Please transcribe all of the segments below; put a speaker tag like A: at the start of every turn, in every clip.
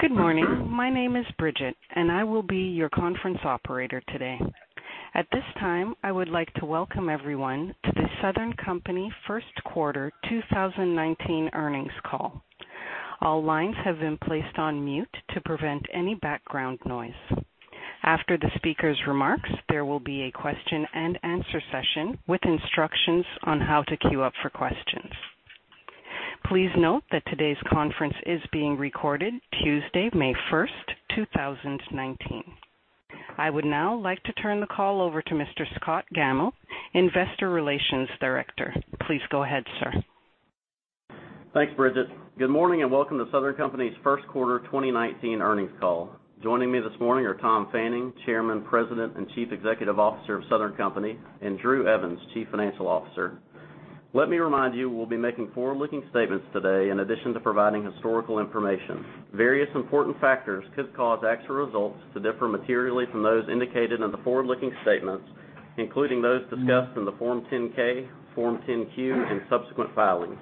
A: Good morning. My name is Bridget, and I will be your conference operator today. At this time, I would like to welcome everyone to The Southern Company first quarter 2019 earnings call. All lines have been placed on mute to prevent any background noise. After the speaker's remarks, there will be a question and answer session with instructions on how to queue up for questions. Please note that today's conference is being recorded Tuesday, May 1st, 2019. I would now like to turn the call over to Mr. Scott Gammill, Investor Relations Director. Please go ahead, sir.
B: Thanks, Bridget. Good morning, and welcome to The Southern Company's first quarter 2019 earnings call. Joining me this morning are Tom Fanning, chairman, president, and chief executive officer of The Southern Company, and Drew Evans, chief financial officer. Let me remind you, we will be making forward-looking statements today in addition to providing historical information. Various important factors could cause actual results to differ materially from those indicated in the forward-looking statements, including those discussed in the Form 10-K, Form 10-Q, and subsequent filings.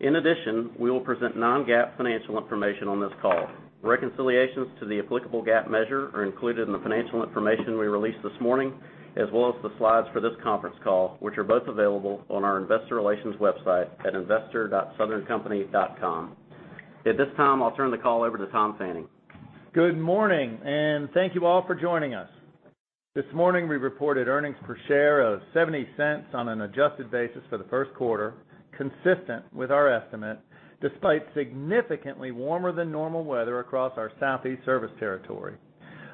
B: In addition, we will present non-GAAP financial information on this call. Reconciliations to the applicable GAAP measure are included in the financial information we released this morning, as well as the slides for this conference call, which are both available on our investor relations website at investor.southerncompany.com. At this time, I will turn the call over to Tom Fanning.
C: Good morning, and thank you all for joining us. This morning, we reported earnings per share of $0.70 on an adjusted basis for the first quarter, consistent with our estimate, despite significantly warmer than normal weather across our Southeast service territory.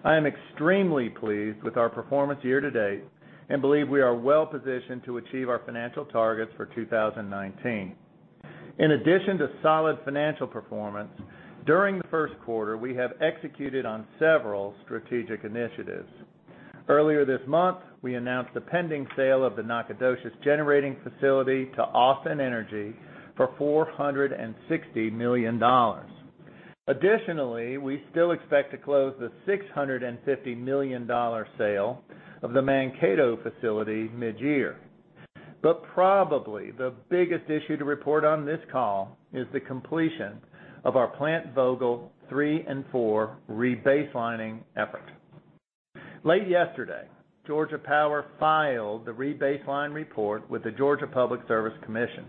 C: I am extremely pleased with our performance year-to-date, and believe we are well-positioned to achieve our financial targets for 2019. In addition to solid financial performance, during the first quarter, we have executed on several strategic initiatives. Earlier this month, we announced the pending sale of the Nacogdoches Generating Facility to Austin Energy for $460 million. Additionally, we still expect to close the $650 million sale of the Mankato facility mid-year. Probably the biggest issue to report on this call is the completion of our Plant Vogtle 3 and 4 rebaselining effort. Late yesterday, Georgia Power filed the rebaseline report with the Georgia Public Service Commission.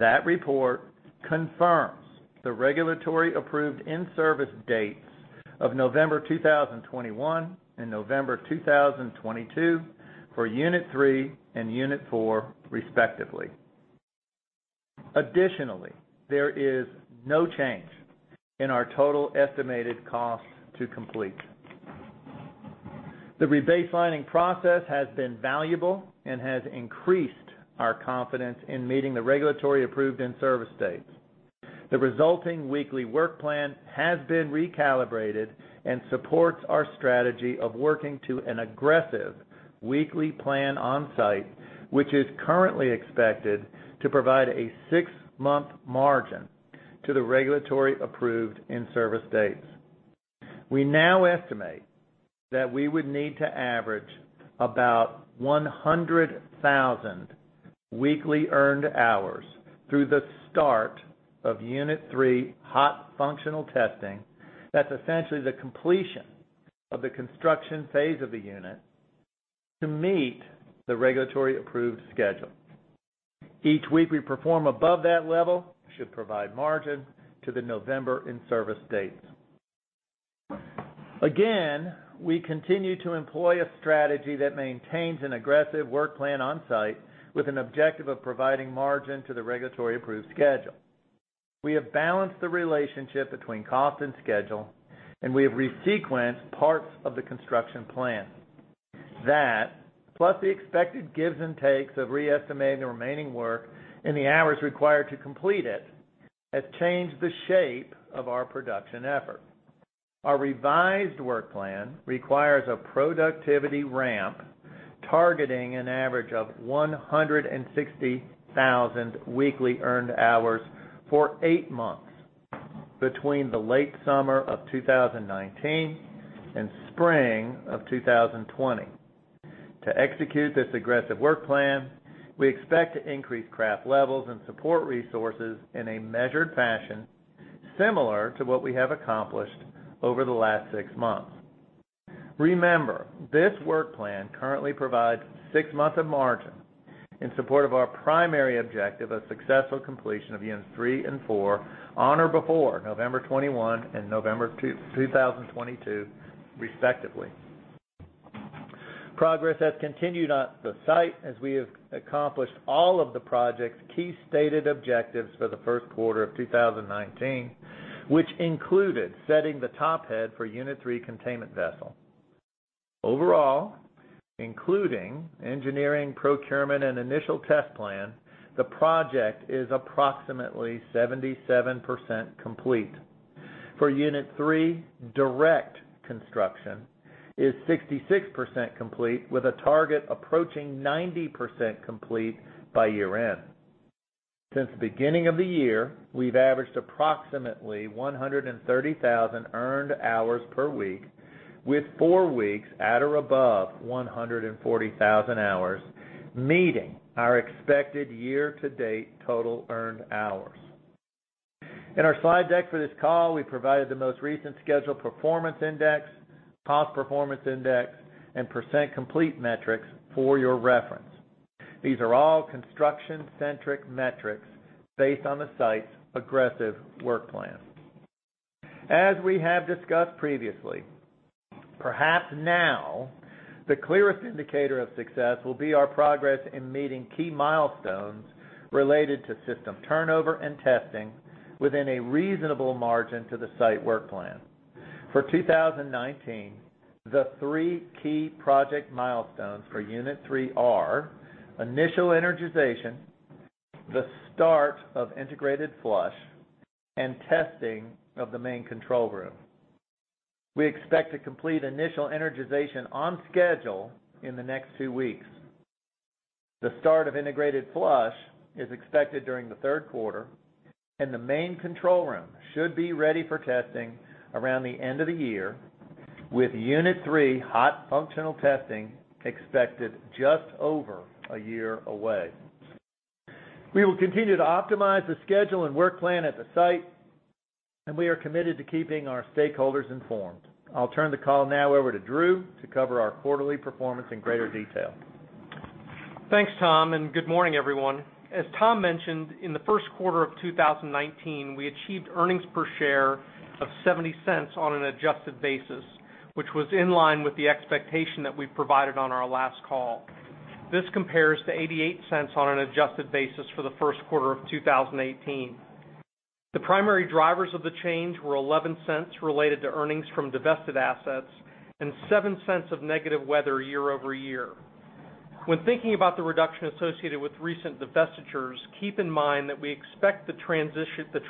C: That report confirms the regulatory approved in-service dates of November 2021 and November 2022 for Unit 3 and Unit 4, respectively. Additionally, there is no change in our total estimated cost to complete. The rebaselining process has been valuable and has increased our confidence in meeting the regulatory approved in-service dates. The resulting weekly work plan has been recalibrated and supports our strategy of working to an aggressive weekly plan on-site, which is currently expected to provide a six-month margin to the regulatory approved in-service dates. We now estimate that we would need to average about 100,000 weekly earned hours through the start of Unit 3 hot functional testing. That is essentially the completion of the construction phase of the unit to meet the regulatory approved schedule. Each week we perform above that level should provide margin to the November in-service dates. We continue to employ a strategy that maintains an aggressive work plan on-site with an objective of providing margin to the regulatory approved schedule. We have balanced the relationship between cost and schedule, and we have resequenced parts of the construction plan. That, plus the expected gives and takes of re-estimating the remaining work and the hours required to complete it, has changed the shape of our production effort. Our revised work plan requires a productivity ramp targeting an average of 160,000 weekly earned hours for eight months between the late summer of 2019 and spring of 2020. To execute this aggressive work plan, we expect to increase craft levels and support resources in a measured fashion, similar to what we have accomplished over the last six months. Remember, this work plan currently provides six months of margin in support of our primary objective of successful completion of units three and four on or before November of 2021 and November of 2022, respectively. Progress has continued on the site as we have accomplished all of the project's key stated objectives for the first quarter of 2019, which included setting the top head for Unit 3 containment vessel. Overall, including engineering, procurement, and initial test plan, the project is approximately 77% complete. For Unit 3, direct construction is 66% complete with a target approaching 90% complete by year-end. Since the beginning of the year, we've averaged approximately 130,000 earned hours per week. With four weeks at or above 140,000 hours, meeting our expected year-to-date total earned hours. In our slide deck for this call, we provided the most recent Schedule Performance Index, Cost Performance Index, and % complete metrics for your reference. These are all construction-centric metrics based on the site's aggressive work plan. As we have discussed previously, perhaps now the clearest indicator of success will be our progress in meeting key milestones related to system turnover and testing within a reasonable margin to the site work plan. For 2019, the three key project milestones for Unit 3 are initial energization, the start of integrated flush, and testing of the main control room. We expect to complete initial energization on schedule in the next two weeks. The start of integrated flush is expected during the third quarter, and the main control room should be ready for testing around the end of the year, with Unit 3 hot functional testing expected just over a year away. We will continue to optimize the schedule and work plan at the site, and we are committed to keeping our stakeholders informed. I'll turn the call now over to Drew to cover our quarterly performance in greater detail.
D: Thanks, Tom. Good morning, everyone. As Tom mentioned, in the first quarter of 2019, we achieved earnings per share of $0.70 on an adjusted basis, which was in line with the expectation that we provided on our last call. This compares to $0.88 on an adjusted basis for the first quarter of 2018. The primary drivers of the change were $0.11 related to earnings from divested assets and $0.07 of negative weather year-over-year. When thinking about the reduction associated with recent divestitures, keep in mind that we expect the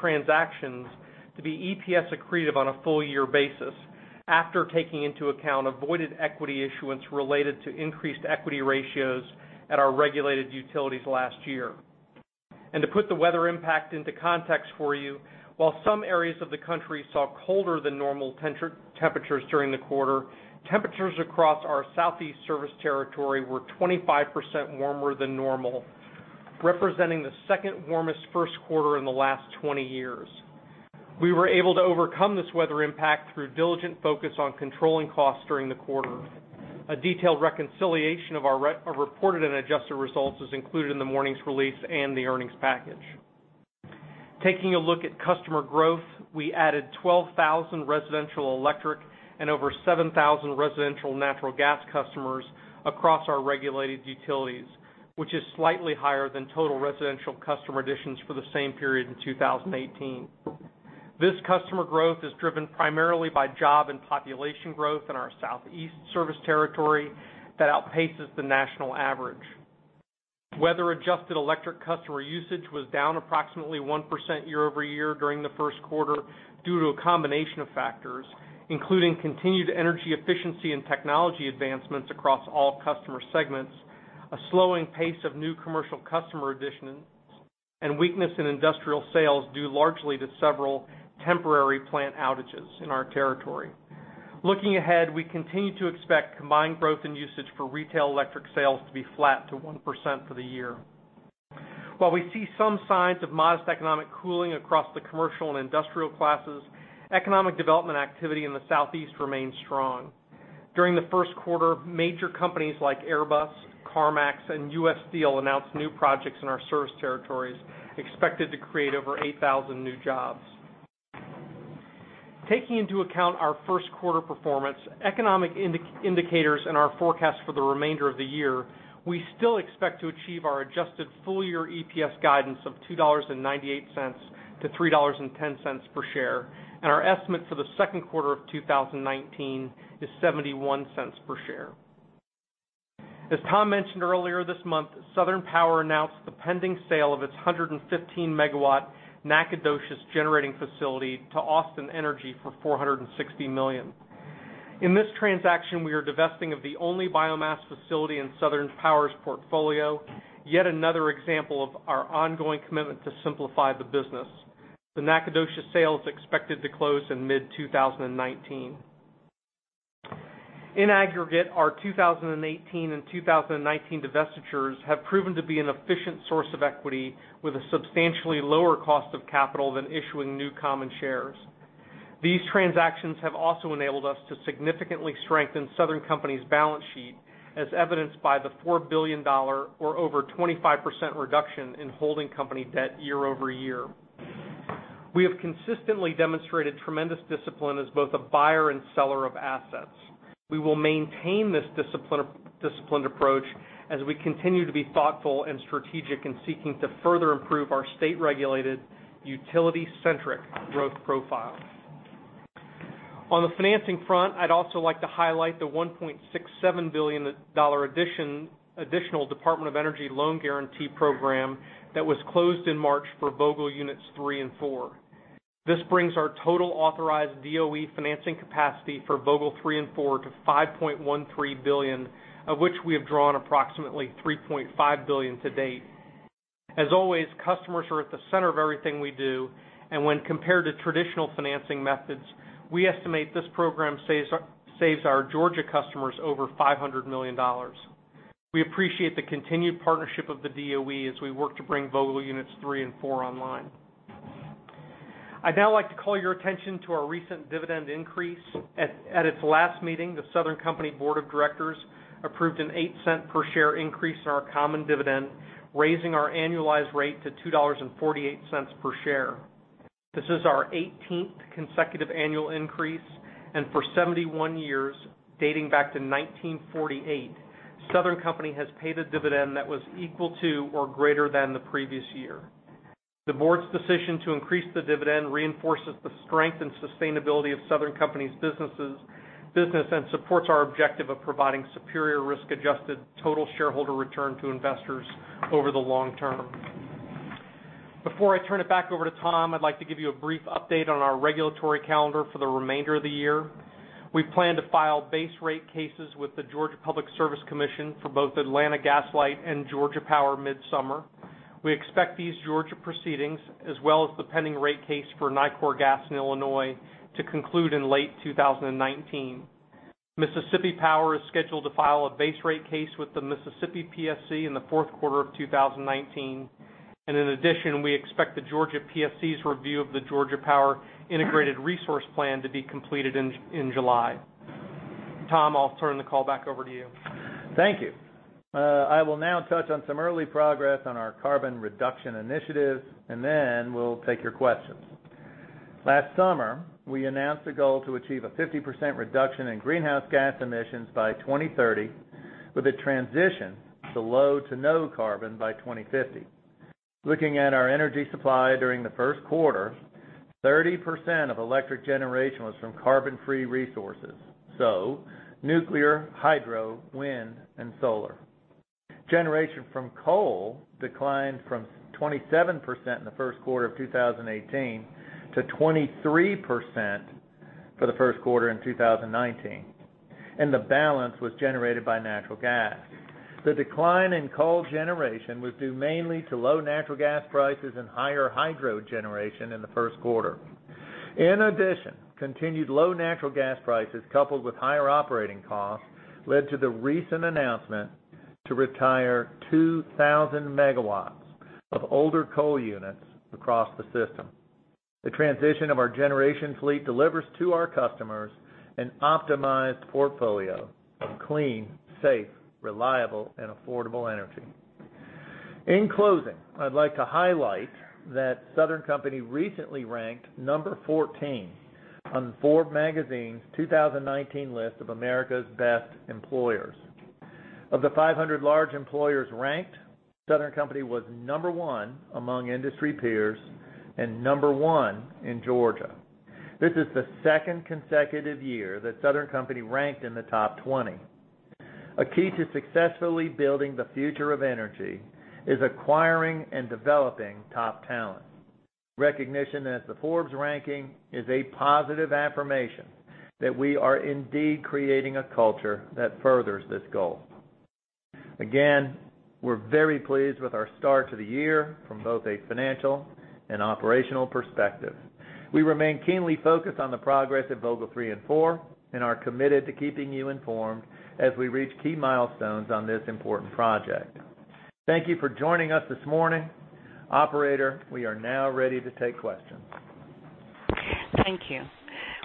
D: transactions to be EPS accretive on a full year basis after taking into account avoided equity issuance related to increased equity ratios at our regulated utilities last year. To put the weather impact into context for you, while some areas of the country saw colder than normal temperatures during the quarter, temperatures across our southeast service territory were 25% warmer than normal, representing the second warmest first quarter in the last 20 years. We were able to overcome this weather impact through diligent focus on controlling costs during the quarter. A detailed reconciliation of our reported and adjusted results is included in the morning's release and the earnings package. Taking a look at customer growth, we added 12,000 residential electric and over 7,000 residential natural gas customers across our regulated utilities, which is slightly higher than total residential customer additions for the same period in 2018. This customer growth is driven primarily by job and population growth in our southeast service territory that outpaces the national average. Weather-adjusted electric customer usage was down approximately 1% year-over-year during the first quarter due to a combination of factors, including continued energy efficiency and technology advancements across all customer segments, a slowing pace of new commercial customer additions, and weakness in industrial sales due largely to several temporary plant outages in our territory. Looking ahead, we continue to expect combined growth in usage for retail electric sales to be flat to 1% for the year. While we see some signs of modest economic cooling across the commercial and industrial classes, economic development activity in the southeast remains strong. During the first quarter, major companies like Airbus, CarMax, and U.S. Steel announced new projects in our service territories, expected to create over 8,000 new jobs. Taking into account our first quarter performance, economic indicators in our forecast for the remainder of the year, we still expect to achieve our adjusted full-year EPS guidance of $2.98-$3.10 per share, and our estimate for the second quarter of 2019 is $0.71 per share. As Tom mentioned earlier this month, Southern Power announced the pending sale of its 115-megawatt Nacogdoches Generating Facility to Austin Energy for $460 million. In this transaction, we are divesting of the only biomass facility in Southern Power's portfolio, yet another example of our ongoing commitment to simplify the business. The Nacogdoches sale is expected to close in mid-2019. In aggregate, our 2018 and 2019 divestitures have proven to be an efficient source of equity with a substantially lower cost of capital than issuing new common shares. These transactions have also enabled us to significantly strengthen Southern Company's balance sheet, as evidenced by the $4 billion, or over 25% reduction in holding company debt year-over-year. We have consistently demonstrated tremendous discipline as both a buyer and seller of assets. We will maintain this disciplined approach as we continue to be thoughtful and strategic in seeking to further improve our state-regulated, utility-centric growth profile. On the financing front, I'd also like to highlight the $1.67 billion additional Department of Energy loan guarantee program that was closed in March for Vogtle Units 3 and 4. This brings our total authorized DOE financing capacity for Vogtle 3 and 4 to $5.13 billion, of which we have drawn approximately $3.5 billion to date. As always, customers are at the center of everything we do. When compared to traditional financing methods, we estimate this program saves our Georgia customers over $500 million. We appreciate the continued partnership of the DOE as we work to bring Vogtle Units 3 and 4 online. I'd now like to call your attention to our recent dividend increase. At its last meeting, the Southern Company board of directors approved an $0.08 per share increase in our common dividend, raising our annualized rate to $2.48 per share. This is our 18th consecutive annual increase. For 71 years, dating back to 1948, Southern Company has paid a dividend that was equal to or greater than the previous year. The board's decision to increase the dividend reinforces the strength and sustainability of Southern Company's business, and supports our objective of providing superior risk-adjusted total shareholder return to investors over the long term. Before I turn it back over to Tom, I'd like to give you a brief update on our regulatory calendar for the remainder of the year. We plan to file base rate cases with the Georgia Public Service Commission for both Atlanta Gas Light and Georgia Power mid-summer. We expect these Georgia proceedings, as well as the pending rate case for Nicor Gas in Illinois, to conclude in late 2019. Mississippi Power is scheduled to file a base rate case with the Mississippi PSC in the fourth quarter of 2019. In addition, we expect the Georgia PSC's review of the Georgia Power Integrated Resource Plan to be completed in July. Tom, I'll turn the call back over to you.
C: Thank you. I will now touch on some early progress on our carbon reduction initiatives. Then we'll take your questions. Last summer, we announced a goal to achieve a 50% reduction in greenhouse gas emissions by 2030, with a transition to low to no carbon by 2050. Looking at our energy supply during the first quarter, 30% of electric generation was from carbon-free resources, so nuclear, hydro, wind, and solar. Generation from coal declined from 27% in the first quarter of 2018 to 23% for the first quarter in 2019. The balance was generated by natural gas. The decline in coal generation was due mainly to low natural gas prices and higher hydro generation in the first quarter. In addition, continued low natural gas prices, coupled with higher operating costs, led to the recent announcement to retire 2,000 megawatts of older coal units across the system. The transition of our generation fleet delivers to our customers an optimized portfolio of clean, safe, reliable, and affordable energy. In closing, I'd like to highlight that Southern Company recently ranked 14 on Forbes magazine's 2019 list of America's best employers. Of the 500 large employers ranked, Southern Company was number one among industry peers and number one in Georgia. This is the second consecutive year that Southern Company ranked in the top 20. A key to successfully building the future of energy is acquiring and developing top talent. Recognition as the Forbes ranking is a positive affirmation that we are indeed creating a culture that furthers this goal. Again, we're very pleased with our start to the year from both a financial and operational perspective. We remain keenly focused on the progress at Vogtle 3 and 4, are committed to keeping you informed as we reach key milestones on this important project. Thank you for joining us this morning. Operator, we are now ready to take questions.
A: Thank you.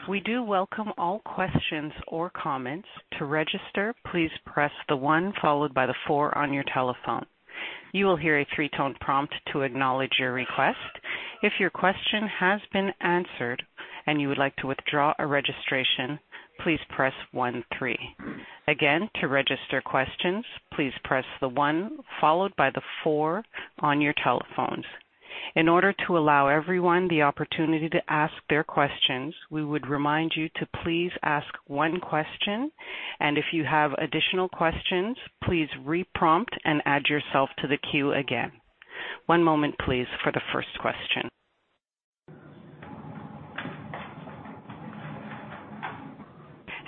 A: We do welcome all questions or comments. To register, please press the one followed by the four on your telephone. You will hear a three-tone prompt to acknowledge your request. If your question has been answered and you would like to withdraw a registration, please press one three. Again, to register questions, please press the one followed by the four on your telephones. In order to allow everyone the opportunity to ask their questions, we would remind you to please ask one question, and if you have additional questions, please reprompt and add yourself to the queue again. One moment, please, for the first question.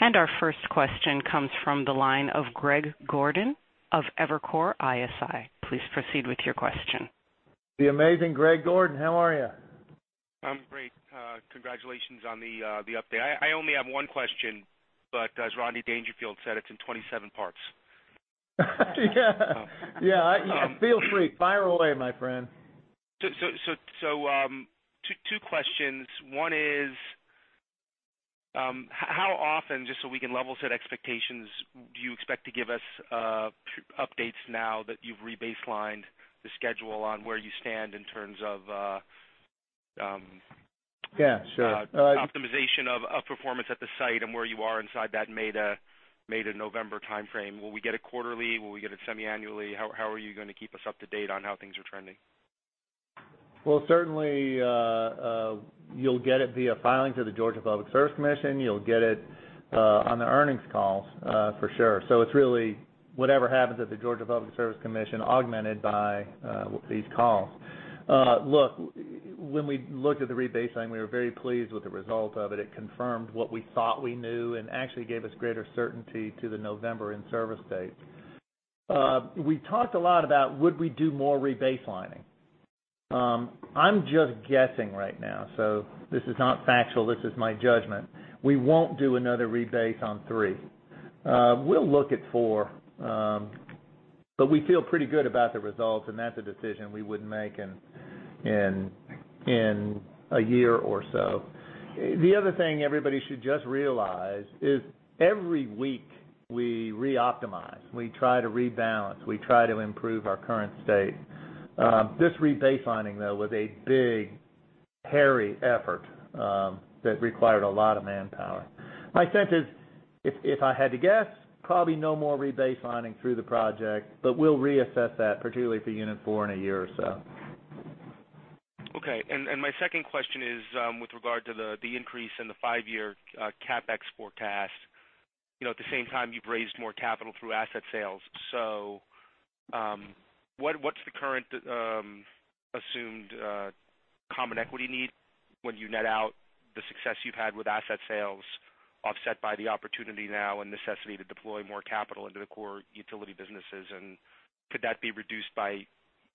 A: Our first question comes from the line of Greg Gordon of Evercore ISI. Please proceed with your question.
C: The amazing Greg Gordon, how are you?
E: I'm great. Congratulations on the update. I only have one question, but as Rodney Dangerfield said, it's in 27 parts.
C: Yeah. Feel free. Fire away, my friend.
E: Two questions. One is how often, just so we can level set expectations, do you expect to give us updates now that you've rebaselined the schedule on where you stand?
C: Yeah, sure.
E: optimization of performance at the site and where you are inside that May to November timeframe. Will we get it quarterly? Will we get it semi-annually? How are you going to keep us up to date on how things are trending?
C: Certainly, you'll get it via filings of the Georgia Public Service Commission. You'll get it on the earnings calls for sure. It's really whatever happens at the Georgia Public Service Commission augmented by these calls. Look, when we looked at the re-baseline, we were very pleased with the result of it. It confirmed what we thought we knew and actually gave us greater certainty to the November in-service date. We talked a lot about would we do more rebaselining. I'm just guessing right now, this is not factual, this is my judgment. We won't do another rebase on 3. We'll look at 4. We feel pretty good about the results, and that's a decision we would make in a year or so. The other thing everybody should just realize is every week we re-optimize, we try to rebalance, we try to improve our current state. This rebaselining, though, was a big, hairy effort that required a lot of manpower. My sense is, if I had to guess, probably no more rebaselining through the project, but we'll reassess that, particularly for unit 4 in a year or so.
E: Okay. My second question is with regard to the increase in the five-year CapEx forecast. At the same time, you've raised more capital through asset sales. What's the current assumed common equity need when you net out the success you've had with asset sales offset by the opportunity now and necessity to deploy more capital into the core utility businesses? Could that be reduced by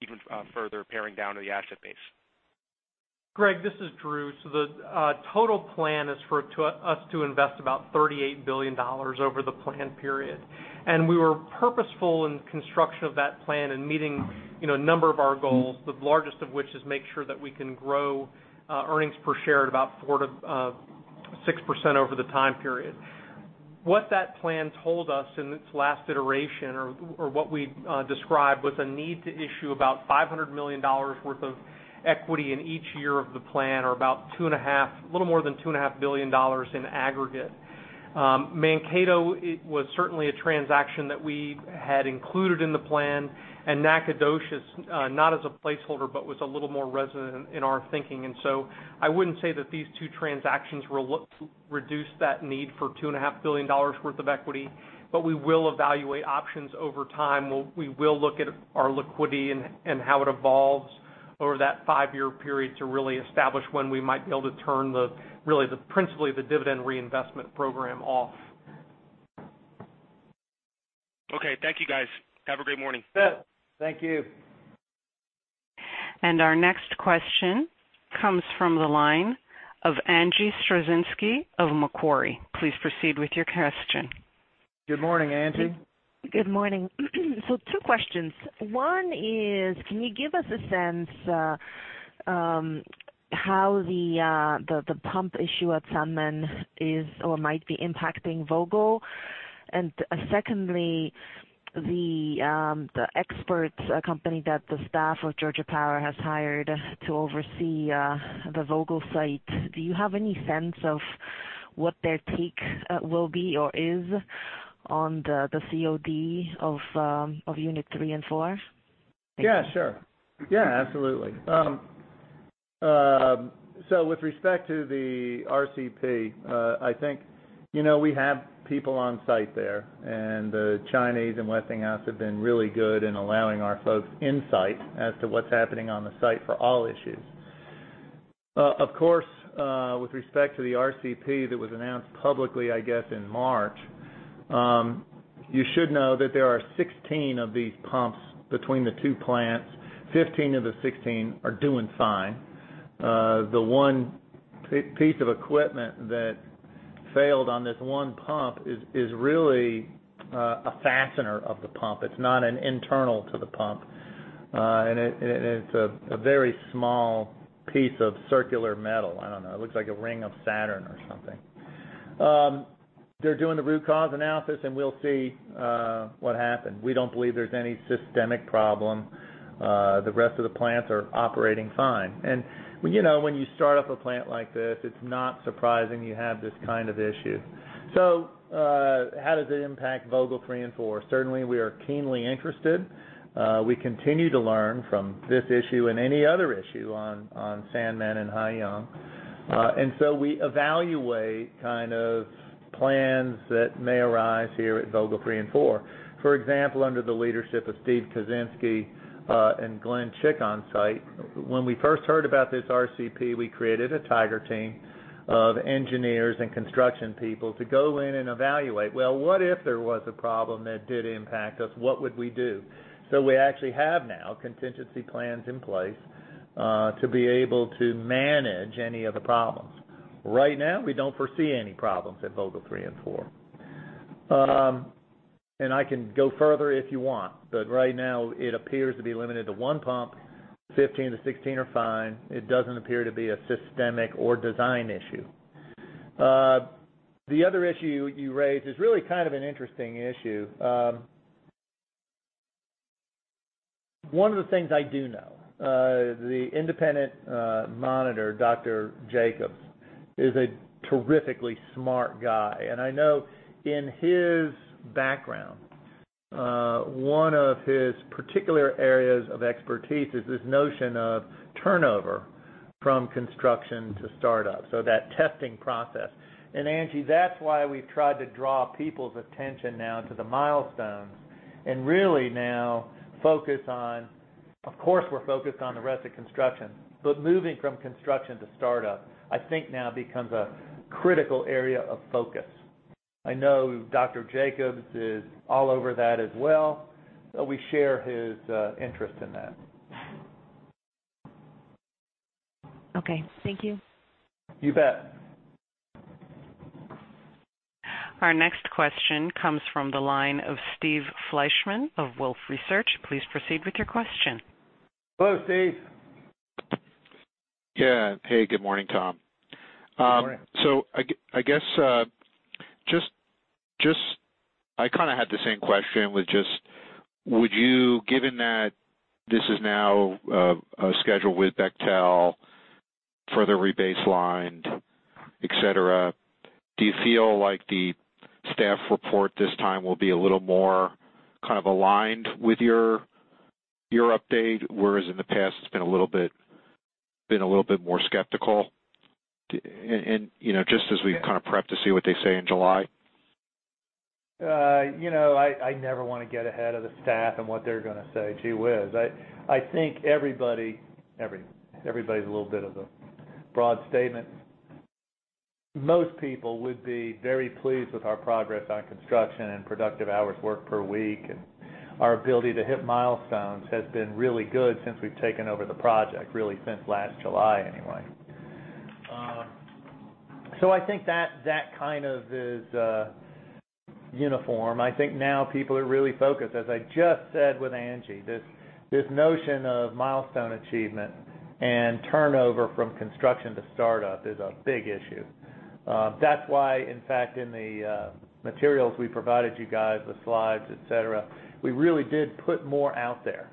E: even further paring down of the asset base?
D: Greg, this is Drew. The total plan is for us to invest about $38 billion over the plan period. We were purposeful in construction of that plan and meeting a number of our goals, the largest of which is make sure that we can grow earnings per share at about 4%-6% over the time period. What that plan told us in its last iteration or what we described was a need to issue about $500 million worth of equity in each year of the plan or a little more than $2.5 billion in aggregate. Mankato was certainly a transaction that we had included in the plan, and Nacogdoches, not as a placeholder, but was a little more resonant in our thinking. I wouldn't say that these two transactions will reduce that need for $2.5 billion worth of equity. We will evaluate options over time. We will look at our liquidity and how it evolves over that five-year period to really establish when we might be able to turn principally the dividend reinvestment program off.
E: Okay. Thank you, guys. Have a great morning.
C: Thank you.
A: Our next question comes from the line of Angie Storozynski of Macquarie. Please proceed with your question.
C: Good morning, Angie.
F: Good morning. Two questions. One is, can you give us a sense how the pump issue at Sanmen is or might be impacting Vogtle? Secondly, the experts company that the staff of Georgia Power has hired to oversee the Vogtle site, do you have any sense of what their take will be or is on the COD of Unit 3 and four?
C: Yeah, sure. Yeah, absolutely. With respect to the RCP, I think we have people on site there, and the Chinese and Westinghouse have been really good in allowing our folks insight as to what's happening on the site for all issues. Of course, with respect to the RCP that was announced publicly, I guess in March, you should know that there are 16 of these pumps between the two plants. 15 of the 16 are doing fine. The one piece of equipment that failed on this one pump is really a fastener of the pump. It's not an internal to the pump. It's a very small piece of circular metal. I don't know. It looks like a ring of Saturn or something. They're doing the root cause analysis, and we'll see what happened. We don't believe there's any systemic problem. The rest of the plants are operating fine. When you start up a plant like this, it is not surprising you have this kind of issue. How does it impact Vogtle 3 and 4? Certainly, we are keenly interested. We continue to learn from this issue and any other issue on Sanmen and Haiyang. We evaluate plans that may arise here at Vogtle 3 and 4. For example, under the leadership of Stephen Kuczynski, and Glen Chick on site, when we first heard about this RCP, we created a tiger team of engineers and construction people to go in and evaluate, "Well, what if there was a problem that did impact us? What would we do?" We actually have now contingency plans in place, to be able to manage any of the problems. Right now, we do not foresee any problems at Vogtle 3 and 4. I can go further if you want, but right now it appears to be limited to one pump. 15-16 are fine. It does not appear to be a systemic or design issue. The other issue you raised is really kind of an interesting issue. One of the things I do know, the independent monitor, Dr. Jacobs, is a terrifically smart guy, and I know in his background, one of his particular areas of expertise is this notion of turnover from construction to startup. That testing process. Angie, that is why we have tried to draw people's attention now to the milestones and really now focus on, of course, we are focused on the rest of construction, but moving from construction to startup, I think now becomes a critical area of focus. I know Dr. Jacobs is all over that as well, so we share his interest in that.
F: Okay. Thank you.
C: You bet.
A: Our next question comes from the line of Steven Fleishman of Wolfe Research. Please proceed with your question.
C: Hello, Steven.
G: Yeah. Hey, good morning, Tom.
C: Good morning.
G: I guess, I kind of had the same question with just, would you, given that this is now a schedule with Bechtel, further re-baselined, et cetera, do you feel like the staff report this time will be a little more kind of aligned with your update? Whereas in the past, it's been a little bit more skeptical, and just as we kind of prep to see what they say in July?
C: I never want to get ahead of the staff and what they're going to say. Gee whiz. I think everybody's a little bit of a broad statement. Most people would be very pleased with our progress on construction and productive hours worked per week, and our ability to hit milestones has been really good since we've taken over the project, really since last July anyway. I think that kind of is uniform. I think now people are really focused, as I just said with Angie, this notion of milestone achievement and turnover from construction to startup is a big issue. That's why, in fact, in the materials we provided you guys, the slides, et cetera, we really did put more out there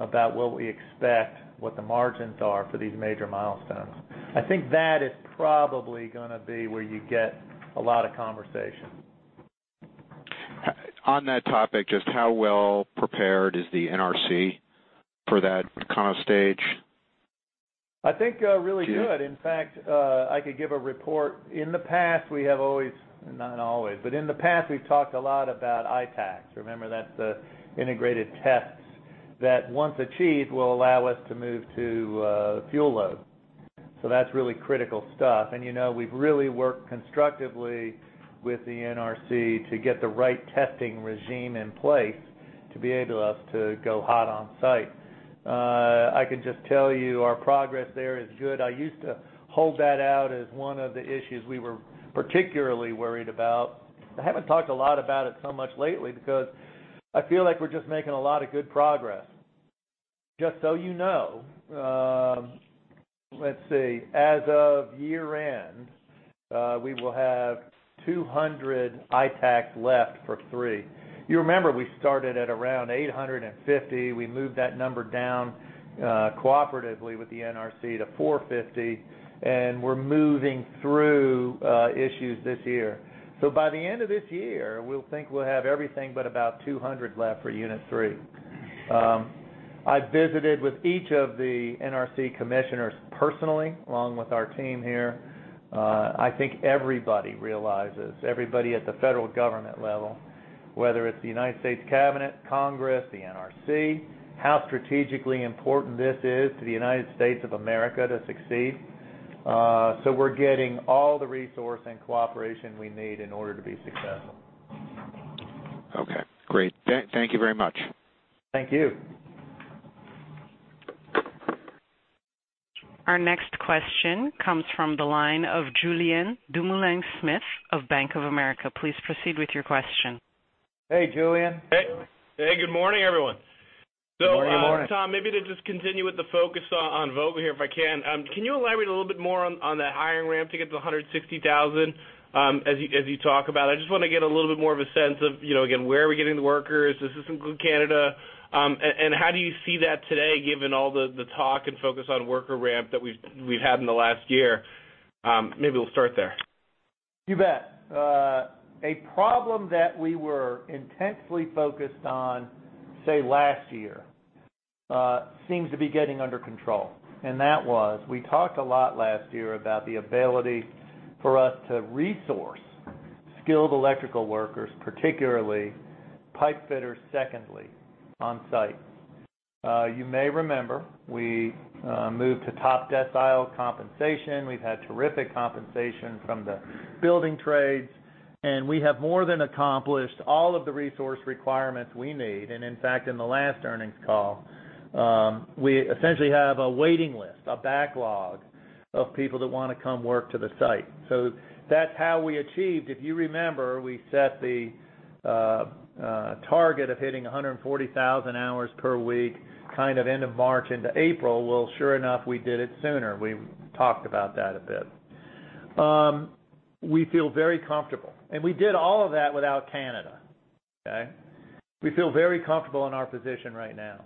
C: about what we expect, what the margins are for these major milestones. I think that is probably gonna be where you get a lot of conversation.
G: On that topic, just how well prepared is the NRC for that kind of stage?
C: I think really good. In fact, I could give a report. In the past, we have always, not always, but in the past, we've talked a lot about ITAACs. Remember, that's the integrated tests that once achieved, will allow us to move to fuel load. That's really critical stuff. We've really worked constructively with the NRC to get the right testing regime in place to be able for us to go hot on site. I can just tell you our progress there is good. I used to hold that out as one of the issues we were particularly worried about. I haven't talked a lot about it so much lately because I feel like we're just making a lot of good progress. Just so you know, let's see, as of year-end, we will have 200 ITAACs left for three. You remember we started at around 850. We moved that number down cooperatively with the NRC to 450, we're moving through issues this year. By the end of this year, we'll think we'll have everything but about 200 left for Unit 3. I visited with each of the NRC commissioners personally, along with our team here. I think everybody realizes, everybody at the federal government level, whether it's the United States Cabinet, Congress, the NRC, how strategically important this is to the United States of America to succeed. We're getting all the resource and cooperation we need in order to be successful.
G: Okay, great. Thank you very much.
C: Thank you.
A: Our next question comes from the line of Julien Dumoulin-Smith of Bank of America. Please proceed with your question.
C: Hey, Julien.
H: Hey. Good morning, everyone.
C: Good morning.
H: Tom, maybe to just continue with the focus on Vogtle here, if I can. Can you elaborate a little bit more on that hiring ramp to get to 160,000 as you talk about it? I just want to get a little bit more of a sense of, again, where are we getting the workers? Does this include Canada? How do you see that today, given all the talk and focus on worker ramp that we've had in the last year? Maybe we'll start there.
C: You bet. A problem that we were intensely focused on, say, last year, seems to be getting under control. That was, we talked a lot last year about the ability for us to resource skilled electrical workers, particularly pipe fitters, secondly, on site. You may remember, we moved to top decile compensation. We've had terrific compensation from the building trades, and we have more than accomplished all of the resource requirements we need. In fact, in the last earnings call, we essentially have a waiting list, a backlog of people that want to come work to the site. That's how we achieved. If you remember, we set the target of hitting 140,000 hours per week, kind of end of March into April. Sure enough, we did it sooner. We talked about that a bit. We feel very comfortable, we did all of that without Canada, okay? We feel very comfortable in our position right now.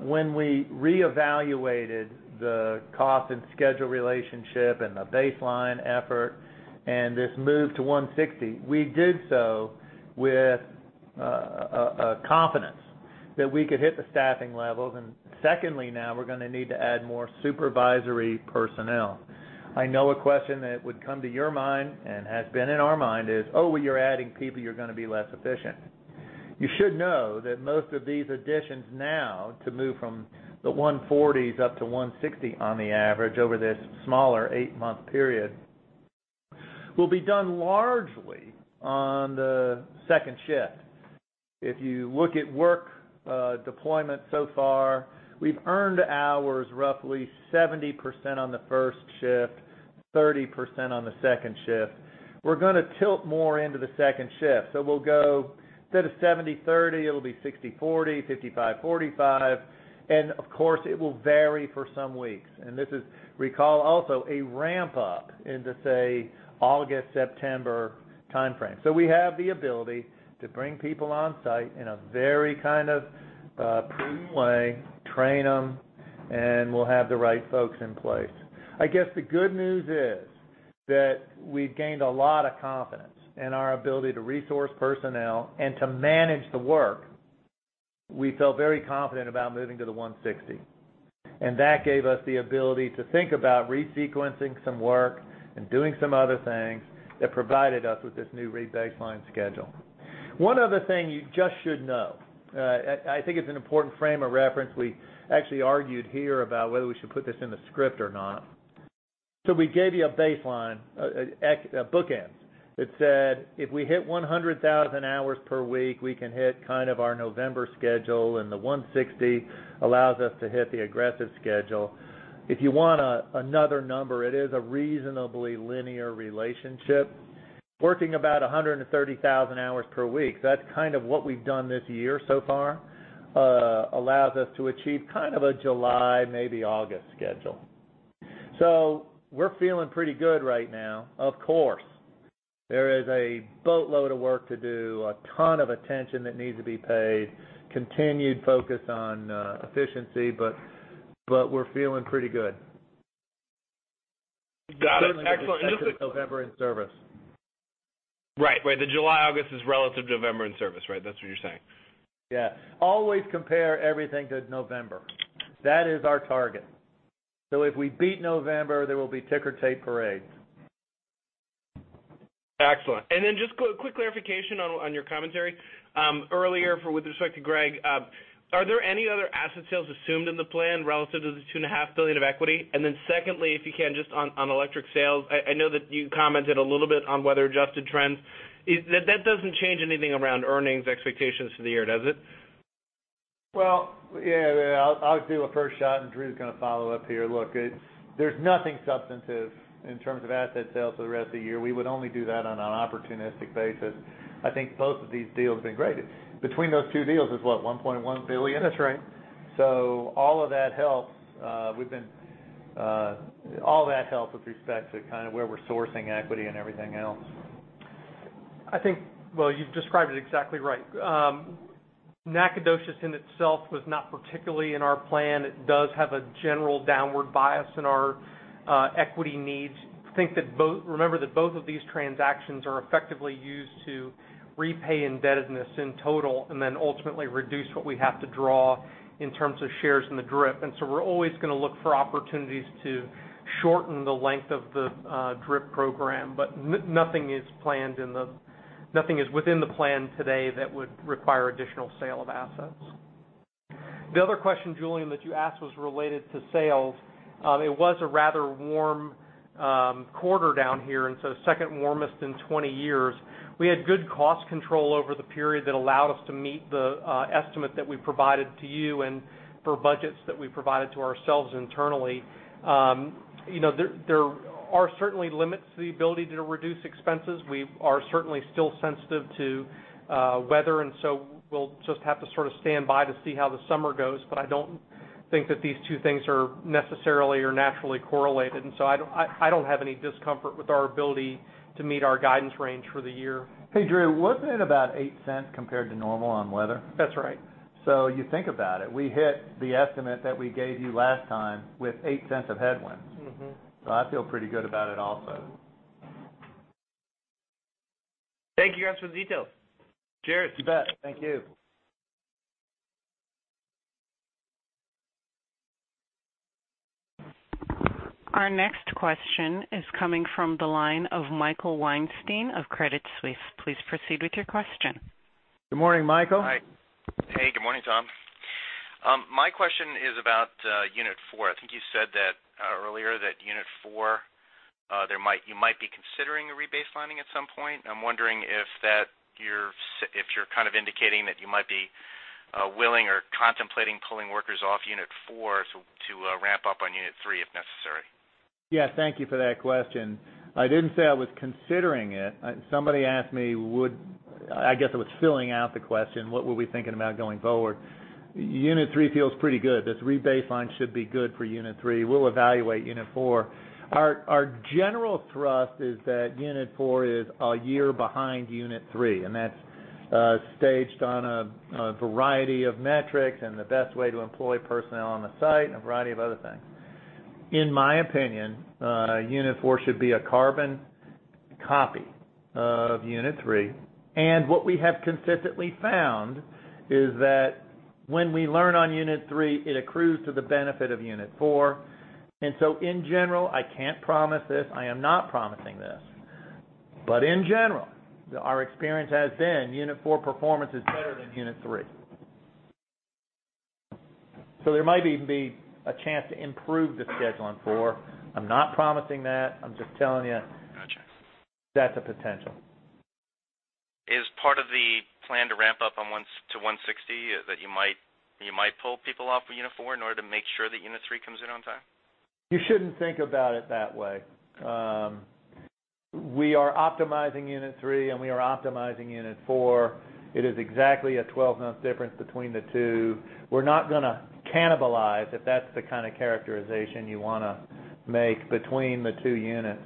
C: When we reevaluated the cost and schedule relationship and the baseline effort and this move to 160, we did so with confidence that we could hit the staffing levels. Secondly, now we're going to need to add more supervisory personnel. I know a question that would come to your mind and has been in our mind is, "Oh, you're adding people, you're going to be less efficient." You should know that most of these additions now, to move from the 140s up to 160 on the average over this smaller eight-month period, will be done largely on the second shift. If you look at work deployment so far, we've earned hours roughly 70% on the first shift, 30% on the second shift. We're going to tilt more into the second shift. We'll go, instead of 70/30, it'll be 60/40, 55/45, of course it will vary for some weeks. This is, recall, also a ramp-up into, say, August, September timeframe. We have the ability to bring people on site in a very prudent way, train them, we'll have the right folks in place. I guess the good news is that we've gained a lot of confidence in our ability to resource personnel and to manage the work. We feel very confident about moving to the 160. That gave us the ability to think about resequencing some work and doing some other things that provided us with this new rebaseline schedule. One other thing you just should know. I think it's an important frame of reference. We actually argued here about whether we should put this in the script or not. We gave you a baseline, bookends that said if we hit 100,000 hours per week, we can hit our November schedule, the 160 allows us to hit the aggressive schedule. If you want another number, it is a reasonably linear relationship. Working about 130,000 hours per week, that's what we've done this year so far, allows us to achieve kind of a July, maybe August schedule. We're feeling pretty good right now. Of course, there is a boatload of work to do, a ton of attention that needs to be paid, continued focus on efficiency, we're feeling pretty good.
H: Got it. Excellent.
C: November in service.
H: Right. The July, August is relative to November in service, right? That is what you are saying.
C: Yeah. Always compare everything to November. That is our target. If we beat November, there will be ticker tape parades.
H: Excellent. Just quick clarification on your commentary. Earlier, with respect to Greg Gordon, are there any other asset sales assumed in the plan relative to the $2.5 billion of equity? Secondly, if you can, just on electric sales, I know that you commented a little bit on weather-adjusted trends. That doesn't change anything around earnings expectations for the year, does it?
C: Well, yeah. I'll do a first shot and Drew Evans is going to follow up here. Look, there's nothing substantive in terms of asset sales for the rest of the year. We would only do that on an opportunistic basis. I think both of these deals have been great. Between those two deals is what, $1.1 billion?
D: That's right.
C: All of that helps with respect to where we're sourcing equity and everything else.
D: I think, well, you've described it exactly right. Nacogdoches in itself was not particularly in our plan. It does have a general downward bias in our equity needs. Remember that both of these transactions are effectively used to repay indebtedness in total and then ultimately reduce what we have to draw in terms of shares in the DRIP. We're always going to look for opportunities to shorten the length of the DRIP program. Nothing is within the plan today that would require additional sale of assets. The other question, Julien, that you asked was related to sales. It was a rather warm quarter down here. Second warmest in 20 years. We had good cost control over the period that allowed us to meet the estimate that we provided to you and for budgets that we provided to ourselves internally. There are certainly limits to the ability to reduce expenses. We are certainly still sensitive to weather. We'll just have to sort of stand by to see how the summer goes. I don't think that these two things are necessarily or naturally correlated. I don't have any discomfort with our ability to meet our guidance range for the year.
C: Hey, Drew, wasn't it about $0.08 compared to normal on weather?
D: That's right.
C: You think about it, we hit the estimate that we gave you last time with $0.08 of headwind. I feel pretty good about it also.
H: Thank you guys for the details. Cheers.
C: You bet. Thank you.
A: Our next question is coming from the line of Michael Weinstein of Credit Suisse. Please proceed with your question.
C: Good morning, Michael.
I: Hi. Hey, good morning, Tom. My question is about unit 4. I think you said that earlier that unit 4, you might be considering rebaselining at some point. I'm wondering if you're kind of indicating that you might be willing or contemplating pulling workers off unit 4 to ramp up on unit 3 if necessary.
C: Yeah. Thank you for that question. I didn't say I was considering it. Somebody asked me would I guess I was filling out the question, what were we thinking about going forward? Unit 3 feels pretty good. This rebaseline should be good for unit 3. We'll evaluate unit 4. Our general thrust is that unit 4 is a year behind unit 3, and that's staged on a variety of metrics and the best way to employ personnel on the site and a variety of other things. In my opinion, unit 4 should be a carbon copy of unit 3. What we have consistently found is that when we learn on unit 3, it accrues to the benefit of unit 4, so in general, I can't promise this. I am not promising this, but in general, our experience has been unit 4 performance is better than unit 3. There might even be a chance to improve the schedule on four. I'm not promising that. I'm just telling you.
I: Got you.
C: That's a potential.
I: Is part of the plan to ramp up to 160, that you might pull people off of unit 4 in order to make sure that unit 3 comes in on time?
C: You shouldn't think about it that way. We are optimizing unit 3, and we are optimizing unit 4. It is exactly a 12-month difference between the two. We're not going to cannibalize, if that's the kind of characterization you want to make between the two units.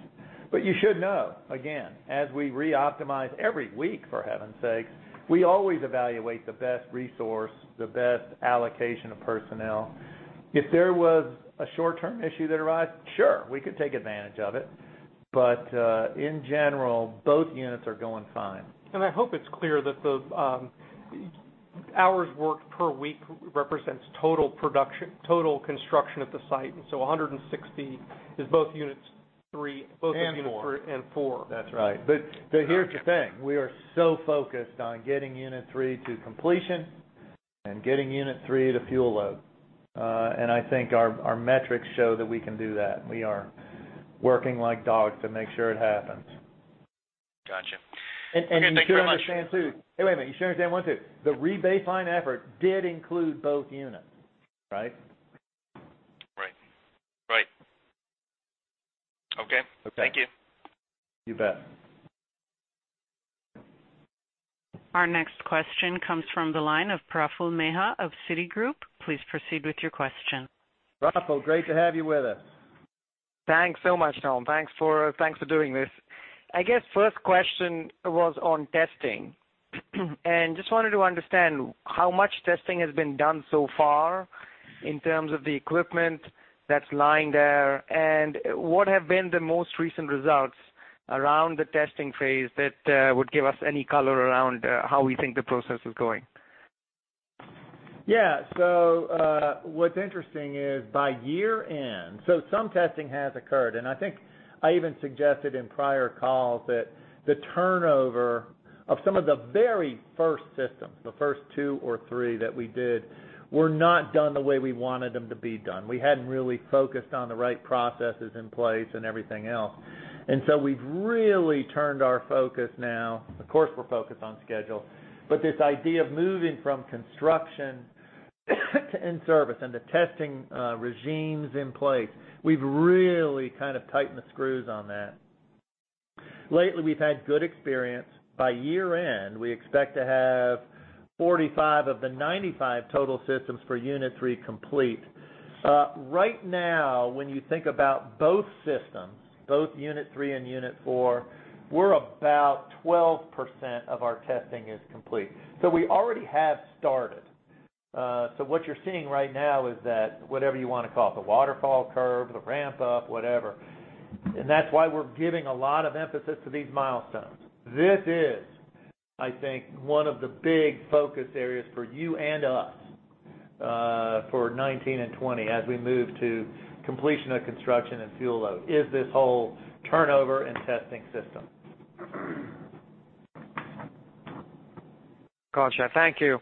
C: You should know, again, as we re-optimize every week, for heaven's sakes, we always evaluate the best resource, the best allocation of personnel. If there was a short-term issue that arise, sure, we could take advantage of it. In general, both units are going fine.
D: I hope it's clear that the hours worked per week represents total construction at the site, and so 160 is both units three-
C: 4
D: 4.
C: That's right. Here's the thing. We are so focused on getting unit 3 to completion and getting unit 3 to fuel load. I think our metrics show that we can do that. We are working like dogs to make sure it happens.
I: Got you. Okay, thank you very much.
C: You should understand, too. Hey, wait a minute. You should understand one thing. The rebaseline effort did include both units, right?
I: Right. Okay.
C: Okay.
I: Thank you.
C: You bet.
A: Our next question comes from the line of Praful Mehta of Citigroup. Please proceed with your question.
C: Praful, great to have you with us.
J: Thanks so much, Tom. Thanks for doing this. I guess first question was on testing. Just wanted to understand how much testing has been done so far in terms of the equipment that's lying there, and what have been the most recent results around the testing phase that would give us any color around how we think the process is going?
C: Yeah. What's interesting is by year end, some testing has occurred, and I think I even suggested in prior calls that the turnover of some of the very first systems, the first two or three that we did, were not done the way we wanted them to be done. We hadn't really focused on the right processes in place and everything else. We've really turned our focus now. Of course, we're focused on schedule. This idea of moving from construction to in-service and the testing regimes in place, we've really tightened the screws on that. Lately, we've had good experience. By year-end, we expect to have 45 of the 95 total systems for unit 3 complete. Right now, when you think about both systems, both unit 3 and unit 4, we're about 12% of our testing is complete. We already have started. What you're seeing right now is that whatever you want to call it, the waterfall curve, the ramp-up, whatever, and that's why we're giving a lot of emphasis to these milestones. This is, I think, one of the big focus areas for you and us, for 2019 and 2020 as we move to completion of construction and fuel load, is this whole turnover and testing system.
J: Got you. Thank you.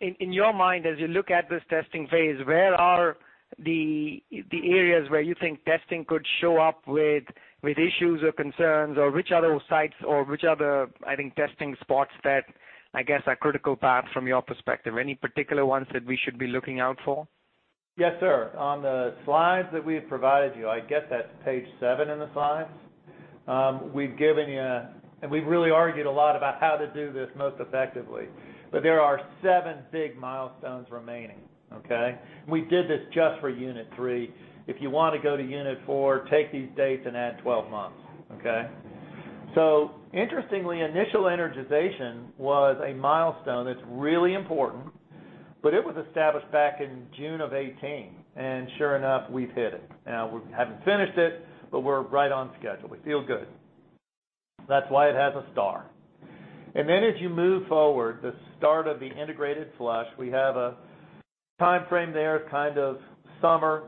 J: In your mind, as you look at this testing phase, where are the areas where you think testing could show up with issues or concerns, or which other sites or which other, I think, testing spots that, I guess, are critical paths from your perspective? Any particular ones that we should be looking out for?
C: Yes, sir. On the slides that we have provided you, I guess that's page seven in the slides. We've given you and we've really argued a lot about how to do this most effectively. There are seven big milestones remaining. Okay? We did this just for Unit 3. If you want to go to Unit 4, take these dates and add 12 months. Okay? Interestingly, initial energization was a milestone that's really important, but it was established back in June of 2018, and sure enough, we've hit it. Now, we haven't finished it, but we're right on schedule. We feel good. That's why it has a star. As you move forward, the start of the integrated flush, we have a timeframe there, kind of summer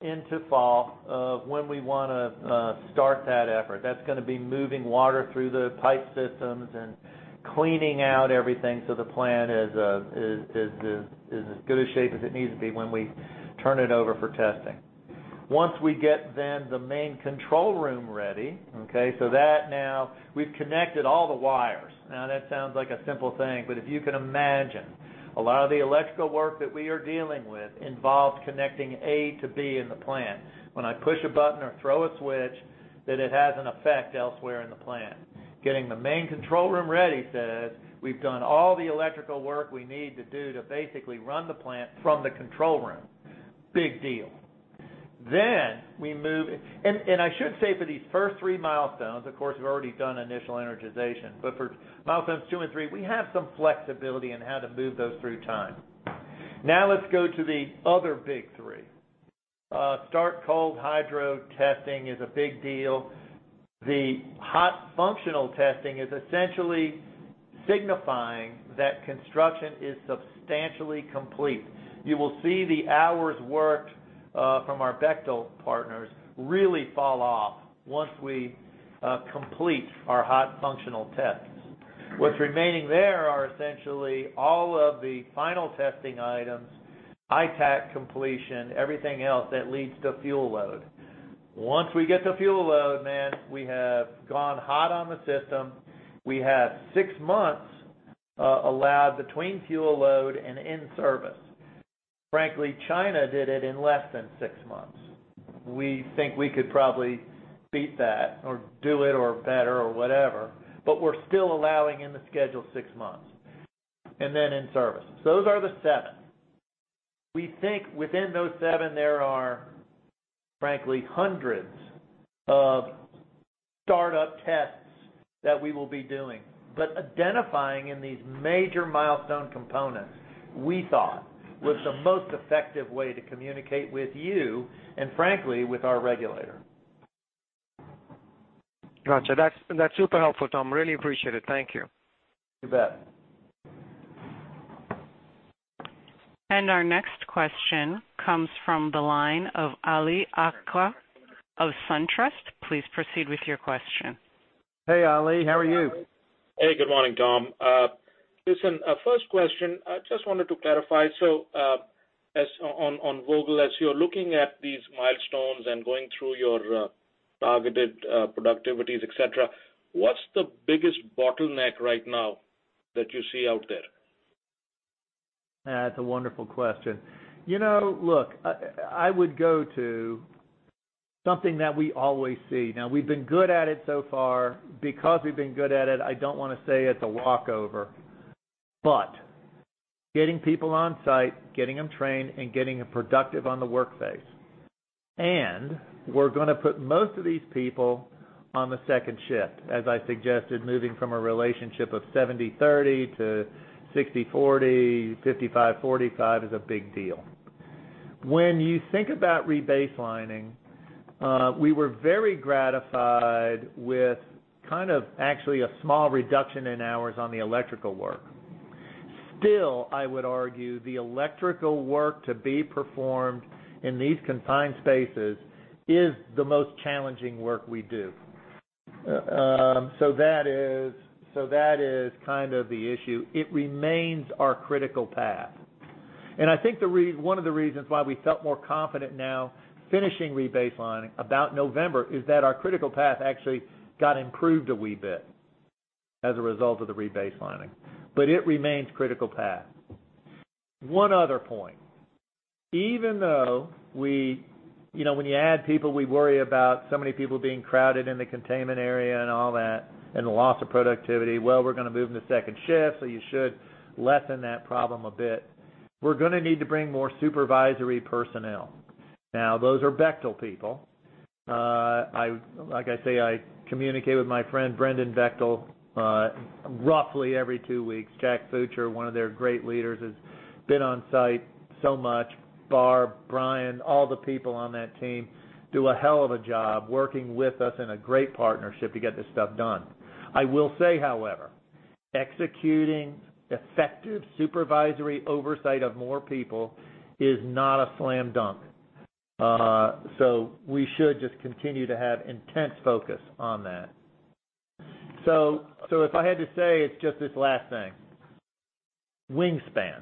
C: into fall, of when we want to start that effort. That's going to be moving water through the pipe systems and cleaning out everything so the plant is in as good a shape as it needs to be when we turn it over for testing. Once we get the main control room ready, okay, that now we've connected all the wires. That sounds like a simple thing, but if you can imagine, a lot of the electrical work that we are dealing with involves connecting A to B in the plant. When I push a button or throw a switch, that it has an effect elsewhere in the plant. Getting the main control room ready says we've done all the electrical work we need to do to basically run the plant from the control room. Big deal. We move, and I should say for these first three milestones, of course, we've already done initial energization, but for milestones 2 and 3, we have some flexibility in how to move those through time. Let's go to the other big three. Start cold hydro testing is a big deal. The hot functional testing is essentially signifying that construction is substantially complete. You will see the hours worked from our Bechtel partners really fall off once we complete our hot functional tests. What's remaining there are essentially all of the final testing items, ITAAC completion, everything else that leads to fuel load. Once we get to fuel load, man, we have gone hot on the system. We have six months allowed between fuel load and in-service. Frankly, China did it in less than six months. We think we could probably beat that or do it or better or whatever, but we're still allowing in the schedule six months, and then in service. Those are the seven. We think within those seven, there are, frankly, hundreds of startup tests that we will be doing. Identifying in these major milestone components, we thought, was the most effective way to communicate with you and frankly, with our regulator.
J: Got you. That's super helpful, Tom. Really appreciate it. Thank you.
C: You bet.
A: Our next question comes from the line of Ali Agha of SunTrust. Please proceed with your question.
C: Hey, Ali, how are you?
K: Hey, good morning, Tom. Listen, first question, I just wanted to clarify. On Vogtle, as you're looking at these milestones and going through your targeted productivities, et cetera, what's the biggest bottleneck right now that you see out there?
C: That's a wonderful question. Look, I would go to something that we always see. We've been good at it so far. Because we've been good at it, I don't want to say it's a walkover. Getting people on site, getting them trained, and getting them productive on the work phase. We're going to put most of these people on the second shift, as I suggested, moving from a relationship of 70/30 to 60/40, 55/45 is a big deal. When you think about rebaselining, we were very gratified with kind of actually a small reduction in hours on the electrical work. Still, I would argue the electrical work to be performed in these confined spaces is the most challenging work we do. That is kind of the issue. It remains our critical path. I think one of the reasons why we felt more confident now finishing rebaselining about November is that our critical path actually got improved a wee bit as a result of the rebaselining, it remains critical path. One other point. Even though when you add people, we worry about so many people being crowded in the containment area and all that and the loss of productivity. Well, we're going to move them to second shift, you should lessen that problem a bit. We're going to need to bring more supervisory personnel. Those are Bechtel people. Like I say, I communicate with my friend Brendan Bechtel roughly every two weeks. Jack Futcher, one of their great leaders, has been on site so much. Barb, Brian, all the people on that team do a hell of a job working with us in a great partnership to get this stuff done. I will say, however, executing effective supervisory oversight of more people is not a slam dunk. We should just continue to have intense focus on that. If I had to say, it's just this last thing. Wingspan.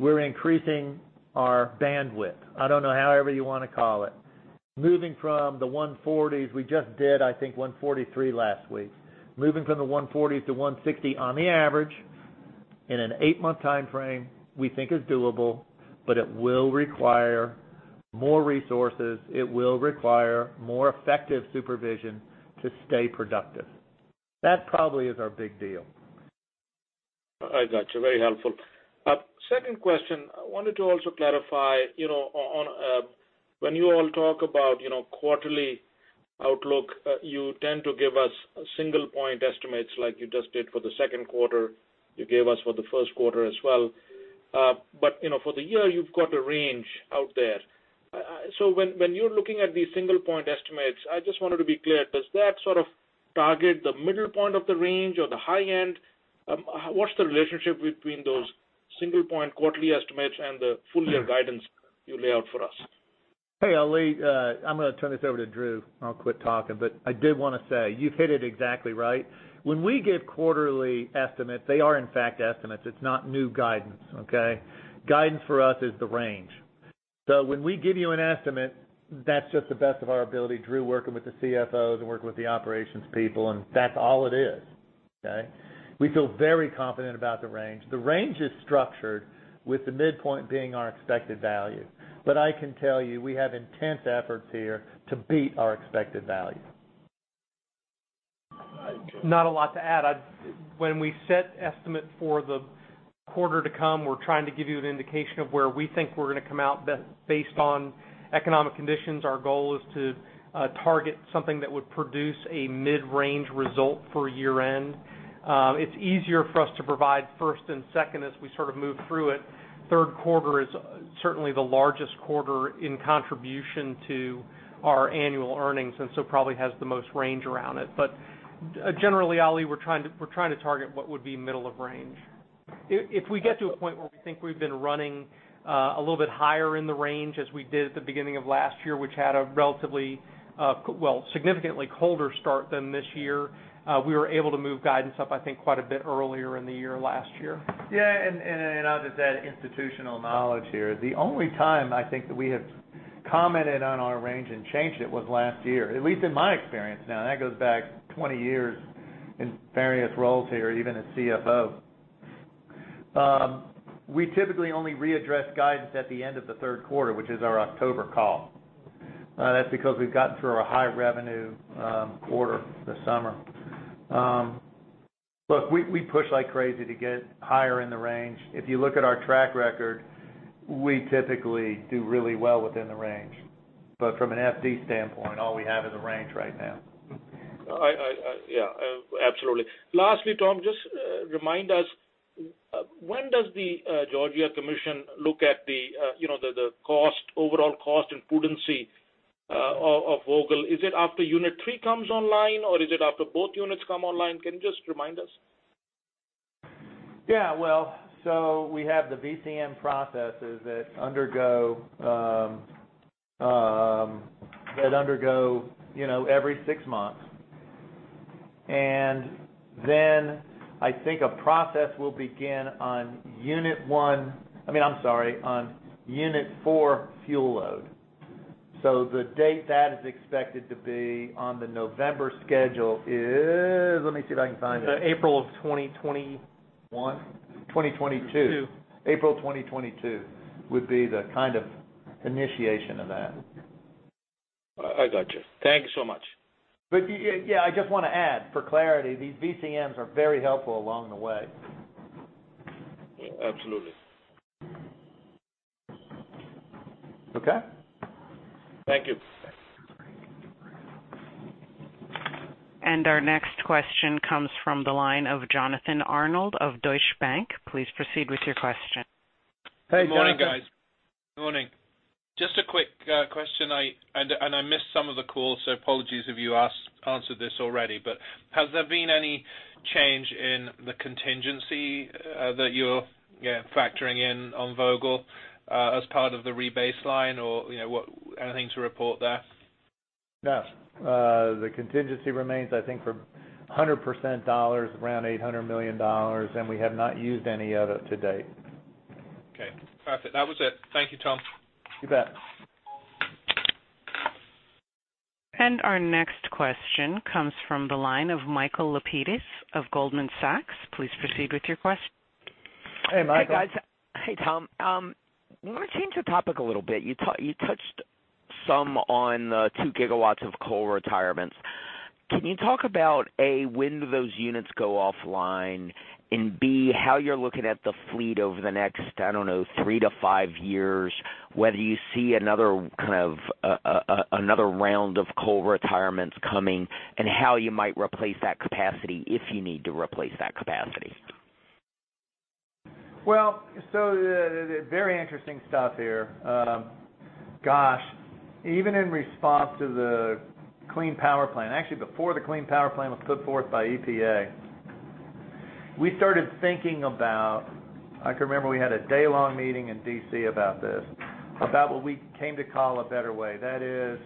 C: We're increasing our bandwidth. I don't know, however you want to call it. Moving from the 140s, we just did, I think, 143 last week. Moving from the 140s to 160 on the average in an eight-month timeframe, we think is doable, it will require more resources. It will require more effective supervision to stay productive. That probably is our big deal.
K: I got you. Very helpful. Second question, I wanted to also clarify, when you all talk about quarterly outlook, you tend to give us single point estimates like you just did for the second quarter, you gave us for the first quarter as well. For the year, you've got a range out there. When you're looking at these single point estimates, I just wanted to be clear, does that sort of target the middle point of the range or the high end? What's the relationship between those single point quarterly estimates and the full year guidance you lay out for us?
C: Hey, Ali. I'm going to turn this over to Drew. I'll quit talking. I did want to say, you've hit it exactly right. When we give quarterly estimates, they are in fact estimates. It's not new guidance, okay? Guidance for us is the range. When we give you an estimate, that's just the best of our ability, Drew working with the CFOs and working with the operations people, and that's all it is. Okay? We feel very confident about the range. The range is structured with the midpoint being our expected value. I can tell you, we have intense efforts here to beat our expected value.
D: Not a lot to add. When we set estimates for the quarter to come, we're trying to give you an indication of where we think we're going to come out based on economic conditions. Our goal is to target something that would produce a mid-range result for year-end. It's easier for us to provide first and second as we sort of move through it. Third quarter is certainly the largest quarter in contribution to our annual earnings, and so probably has the most range around it. Generally, Ali, we're trying to target what would be middle of range. If we get to a point where we think we've been running a little bit higher in the range as we did at the beginning of last year, which had a relatively, well, significantly colder start than this year, we were able to move guidance up, I think, quite a bit earlier in the year last year.
C: I'll just add institutional knowledge here. The only time I think that we have commented on our range and changed it was last year, at least in my experience now, and that goes back 20 years in various roles here, even as CFO. We typically only readdress guidance at the end of the third quarter, which is our October call. Because we've gotten through our high-revenue quarter this summer. We push like crazy to get higher in the range. If you look at our track record, we typically do really well within the range. From an FD standpoint, all we have is a range right now.
K: Absolutely. Lastly, Tom, just remind us, when does the Georgia Commission look at the overall cost and prudency of Vogtle? Is it after unit 3 comes online, or is it after both units come online? Can you just remind us?
C: We have the VCM processes that undergo every six months. Then I think a process will begin on unit 4 fuel load. The date that is expected to be on the November schedule is, let me see if I can find it.
D: April of 2021?
C: 2022.
D: Two.
C: April 2022 would be the kind of initiation of that.
K: I got you. Thank you so much.
C: Yeah, I just want to add for clarity, these VCMs are very helpful along the way.
K: Yeah, absolutely.
C: Okay.
K: Thank you.
C: Thanks.
A: Our next question comes from the line of Jonathan Arnold of Deutsche Bank. Please proceed with your question.
C: Hey, Jonathan.
L: Good morning, guys. Good morning. Just a quick question, I missed some of the call, so apologies if you answered this already, has there been any change in the contingency that you're factoring in on Vogtle as part of the rebaseline or anything to report there?
C: No. The contingency remains, I think for 100% dollars, around $800 million, and we have not used any of it to date.
L: Okay, perfect. That was it. Thank you, Tom.
C: You bet.
A: Our next question comes from the line of Michael Lapides of Goldman Sachs. Please proceed with your question.
C: Hey, Michael.
M: Hey, guys. Hey, Tom. I want to change the topic a little bit. You touched some on the two gigawatts of coal retirements. Can you talk about, A, when do those units go offline, and B, how you're looking at the fleet over the next, I don't know, 3-5 years, whether you see another round of coal retirements coming and how you might replace that capacity if you need to replace that capacity?
C: Well, very interesting stuff here. Gosh, even in response to the Clean Power Plan, actually before the Clean Power Plan was put forth by EPA, we started thinking about, I can remember we had a day-long meeting in D.C. about this, about what we came to call a better way. That is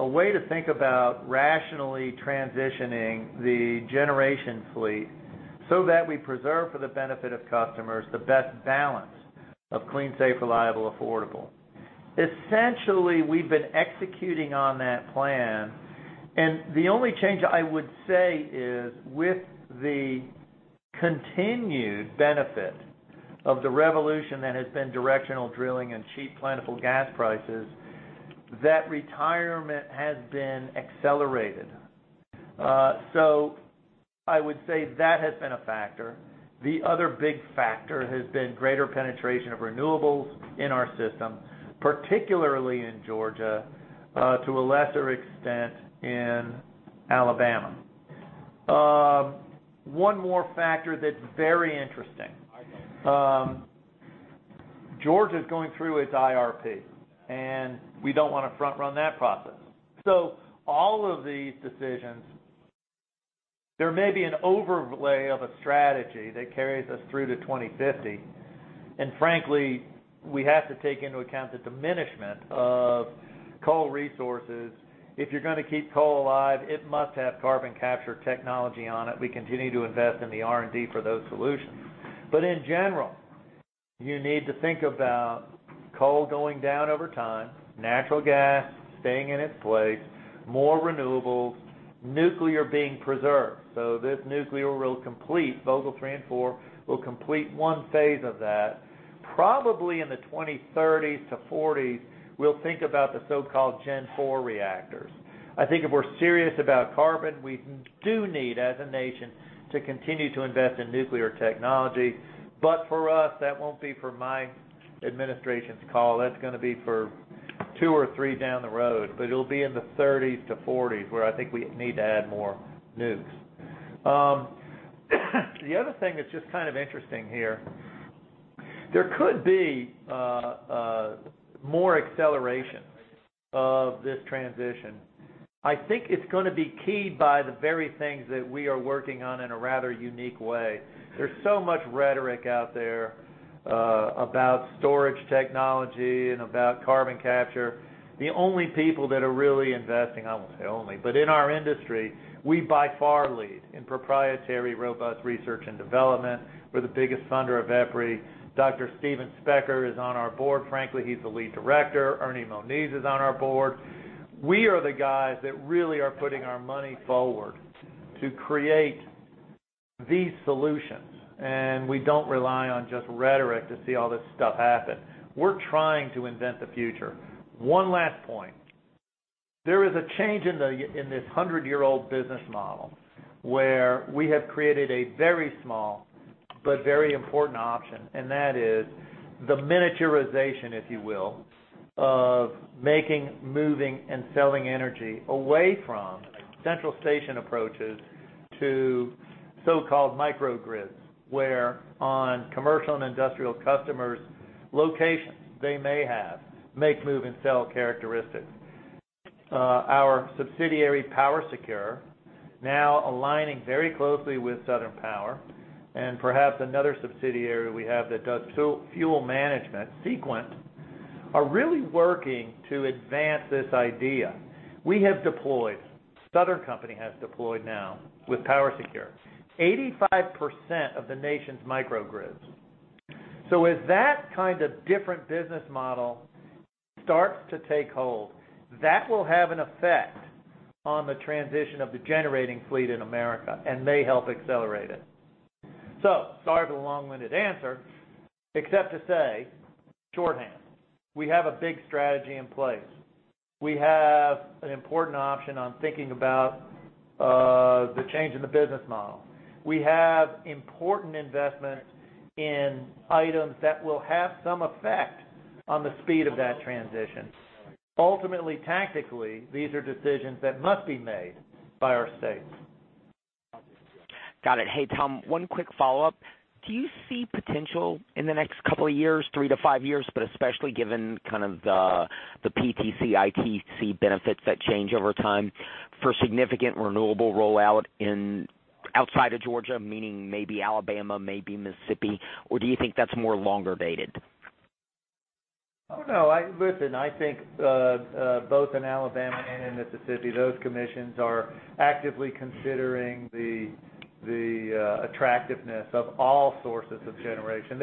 C: a way to think about rationally transitioning the generation fleet so that we preserve for the benefit of customers the best balance of clean, safe, reliable, affordable. Essentially, we've been executing on that plan, and the only change I would say is with the continued benefit of the revolution that has been directional drilling and cheap plentiful gas prices, that retirement has been accelerated. I would say that has been a factor. The other big factor has been greater penetration of renewables in our system, particularly in Georgia, to a lesser extent in Alabama. One more factor that's very interesting. Georgia is going through its IRP, and we don't want to front-run that process. All of these decisions, there may be an overlay of a strategy that carries us through to 2050, and frankly, we have to take into account the diminishment of coal resources. If you're going to keep coal alive, it must have carbon capture technology on it. We continue to invest in the R&D for those solutions. In general, you need to think about coal going down over time, natural gas staying in its place, more renewables, nuclear being preserved. This nuclear will complete, Vogtle 3 and 4 will complete one phase of that. Probably in the 2030s to 2040s, we'll think about the so-called Gen IV reactors. I think if we're serious about carbon, we do need, as a nation, to continue to invest in nuclear technology. For us, that won't be for my administration's call. That's going to be for two or three down the road, but it'll be in the 2030s to 2040s where I think we need to add more nukes. The other thing that's just kind of interesting here, there could be more acceleration of this transition. I think it's going to be keyed by the very things that we are working on in a rather unique way. There's so much rhetoric out there about storage technology and about carbon capture. The only people that are really investing, I won't say only, but in our industry, we by far lead in proprietary, robust research and development. We're the biggest funder of EPRI. Dr. Steven Specker is on our board. Frankly, he's the lead director. Ernie Moniz is on our board. We are the guys that really are putting our money forward to create these solutions, we don't rely on just rhetoric to see all this stuff happen. We're trying to invent the future. One last point. There is a change in this 100-year-old business model, where we have created a very small but very important option, and that is the miniaturization, if you will, of making, moving, and selling energy away from central station approaches to so-called microgrids, where on commercial and industrial customers' locations, they may have make, move, and sell characteristics. Our subsidiary, PowerSecure, now aligning very closely with Southern Power, and perhaps another subsidiary we have that does fuel management, Sequent, are really working to advance this idea. We have deployed, The Southern Company has deployed now with PowerSecure, 85% of the nation's microgrids. As that kind of different business model starts to take hold, that will have an effect on the transition of the generating fleet in America and may help accelerate it. Sorry for the long-winded answer, except to say, shorthand, we have a big strategy in place. We have an important option on thinking about the change in the business model. We have important investments in items that will have some effect on the speed of that transition. Ultimately, tactically, these are decisions that must be made by our states.
M: Got it. Hey, Tom, one quick follow-up. Do you see potential in the next couple of years, three to five years, but especially given kind of the PTC/ITC benefits that change over time, for significant renewable rollout outside of Georgia, meaning maybe Alabama, maybe Mississippi? Do you think that's more longer dated?
C: No. Listen, I think both in Alabama and in Mississippi, those commissions are actively considering the attractiveness of all sources of generation.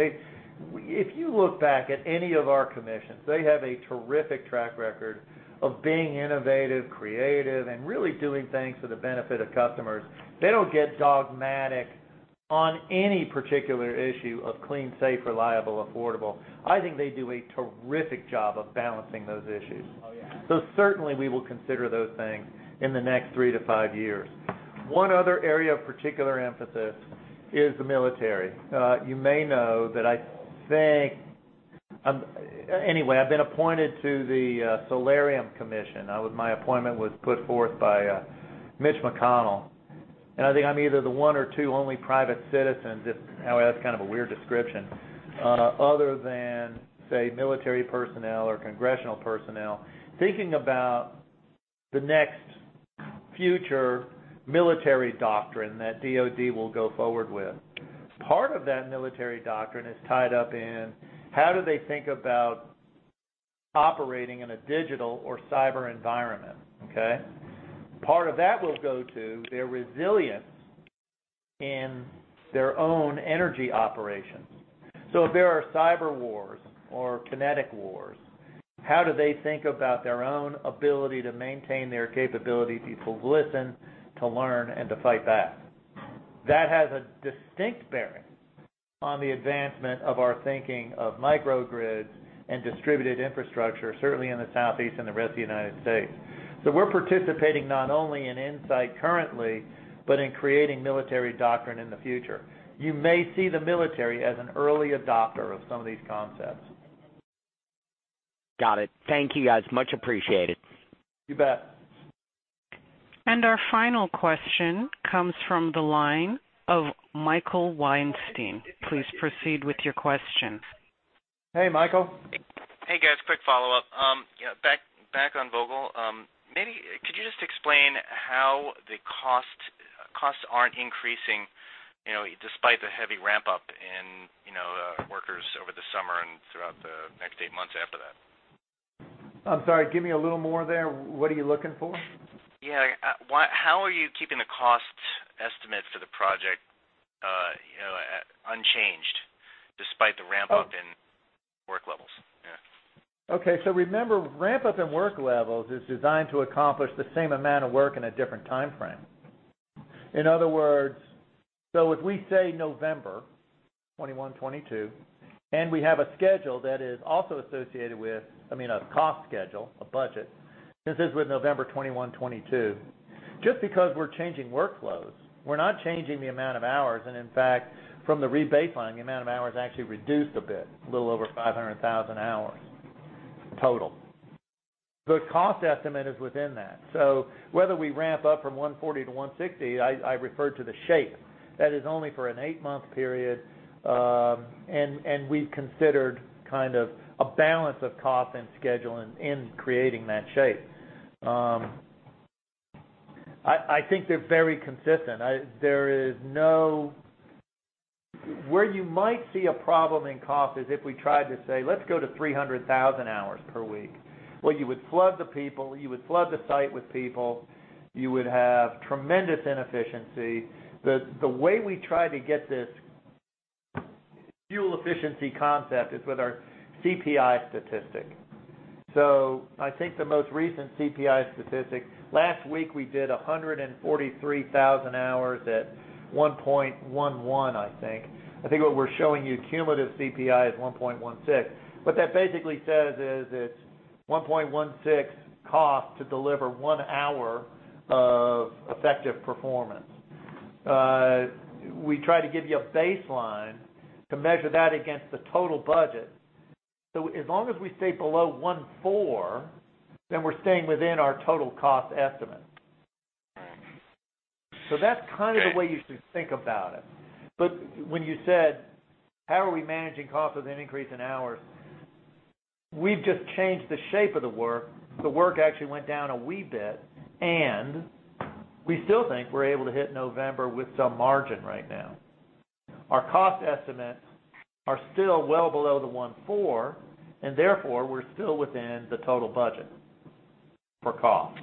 C: If you look back at any of our commissions, they have a terrific track record of being innovative, creative, and really doing things for the benefit of customers. They don't get dogmatic on any particular issue of clean, safe, reliable, affordable. I think they do a terrific job of balancing those issues.
M: Oh, yeah.
C: Certainly, we will consider those things in the next three to five years. One other area of particular emphasis is the military. You may know that I think Anyway, I've been appointed to the Solarium Commission. My appointment was put forth by Mitch McConnell. I think I'm either the one or two only private citizens, however, that's kind of a weird description, other than, say, military personnel or congressional personnel, thinking about the next future military doctrine that DoD will go forward with. Part of that military doctrine is tied up in how do they think about operating in a digital or cyber environment, okay? Part of that will go to their resilience in their own energy operations. If there are cyber wars or kinetic wars, how do they think about their own ability to maintain their capability to listen, to learn, and to fight back? That has a distinct bearing on the advancement of our thinking of microgrids and distributed infrastructure, certainly in the Southeast and the rest of the United States. We're participating not only in insight currently, but in creating military doctrine in the future. You may see the military as an early adopter of some of these concepts.
M: Got it. Thank you, guys. Much appreciated.
C: You bet.
A: Our final question comes from the line of Michael Weinstein. Please proceed with your question.
C: Hey, Michael.
I: Hey, guys. Quick follow-up. Back on Vogtle. Could you just explain how the costs aren't increasing despite the heavy ramp-up in workers over the summer and throughout the next eight months after that?
C: I'm sorry, give me a little more there. What are you looking for?
I: Yeah. How are you keeping the cost estimates for the project unchanged despite the ramp-up in-
C: Okay. Remember, ramp up in work levels is designed to accomplish the same amount of work in a different timeframe. In other words, if we say November 2021, 2022, we have a schedule that is also associated with, I mean, a cost schedule, a budget, this is with November 2021, 2022. Just because we're changing workflows, we're not changing the amount of hours. In fact, from the rebaselining, the amount of hours actually reduced a bit, a little over 500,000 hours total. The cost estimate is within that. Whether we ramp up from 140 to 160, I refer to the shape. That is only for an eight-month period. We've considered kind of a balance of cost and schedule in creating that shape. I think they're very consistent. Where you might see a problem in cost is if we tried to say, "Let's go to 300,000 hours per week." Well, you would flood the people, you would flood the site with people, you would have tremendous inefficiency. The way we try to get this fuel efficiency concept is with our CPI statistic. I think the most recent CPI statistic, last week we did 143,000 hours at 1.11, I think. I think what we're showing you cumulative CPI is 1.16. What that basically says is it's 1.16 cost to deliver one hour of effective performance. We try to give you a baseline to measure that against the total budget. As long as we stay below 1.4, then we're staying within our total cost estimate. That's kind of the way you should think about it. When you said, "How are we managing cost with an increase in hours?" We've just changed the shape of the work. The work actually went down a wee bit, and we still think we're able to hit November with some margin right now. Our cost estimates are still well below the 1.4, therefore, we're still within the total budget for cost.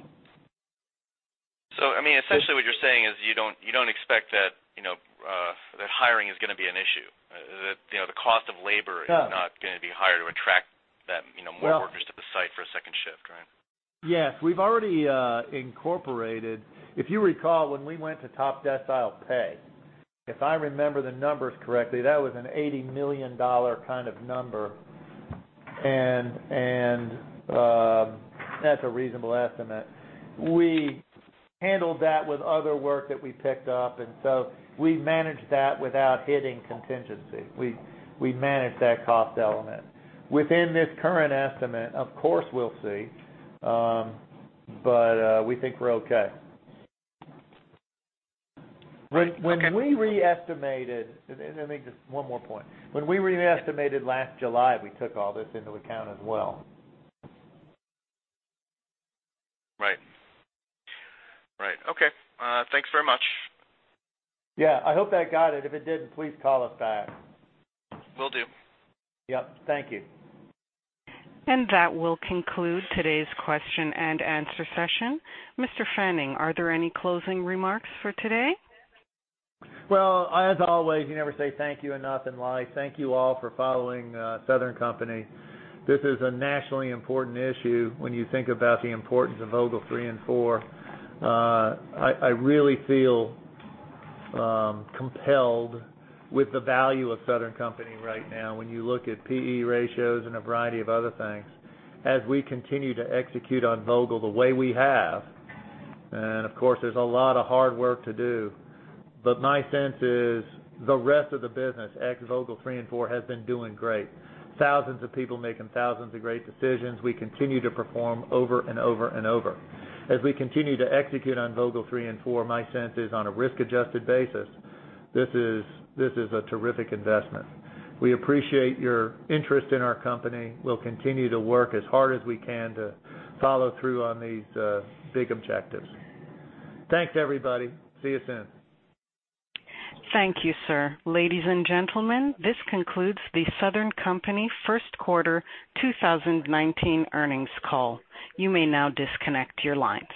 I: I mean, essentially what you're saying is you don't expect that hiring is going to be an issue, that the cost of labor.
C: Yeah
I: Is not going to be higher to attract more workers to the site for a second shift, right?
C: Yes. We've already incorporated. If you recall, when we went to top decile pay, if I remember the numbers correctly, that was an $80 million kind of number, and that's a reasonable estimate. We handled that with other work that we picked up, and so we managed that without hitting contingency. We managed that cost element. Within this current estimate, of course, we'll see, but we think we're okay.
I: Okay.
C: Let me just one more point. When we re-estimated last July, we took all this into account as well.
I: Right. Okay. Thanks very much.
C: Yeah. I hope that got it. If it didn't, please call us back.
I: Will do.
C: Yep. Thank you.
A: That will conclude today's question and answer session. Mr. Fanning, are there any closing remarks for today?
C: Well, as always, you never say thank you enough in life. Thank you all for following Southern Company. This is a nationally important issue when you think about the importance of Vogtle 3 and 4. I really feel compelled with the value of Southern Company right now, when you look at PE ratios and a variety of other things. As we continue to execute on Vogtle the way we have, and of course, there's a lot of hard work to do, but my sense is the rest of the business, ex-Vogtle three and four, has been doing great. Thousands of people making thousands of great decisions. We continue to perform over and over and over. As we continue to execute on Vogtle 3 and 4, my sense is on a risk-adjusted basis, this is a terrific investment. We appreciate your interest in our company. We'll continue to work as hard as we can to follow through on these big objectives. Thanks, everybody. See you soon.
A: Thank you, sir. Ladies and gentlemen, this concludes The Southern Company first quarter 2019 earnings call. You may now disconnect your line.